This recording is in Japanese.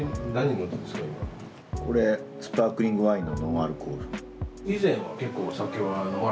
これスパークリングワインのノンアルコール。